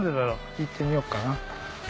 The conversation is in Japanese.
行ってみよっかな。